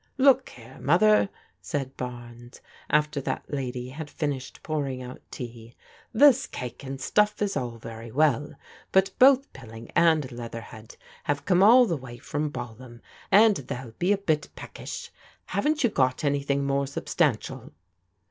'* Look here, Mother," said Barnes after that lady had finished pouring out tea, " this cake and stuff is all very well, but both Pilling and Leatherhead have come all the way from Balham, and they'll be a bit peckish. Haven't you got anything more substantial